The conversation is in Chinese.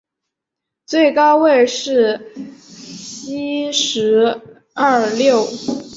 最高位是西十两六。